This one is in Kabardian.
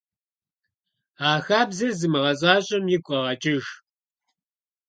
А хабзэр зымыгъэзащӀэм игу къэгъэкӀыж.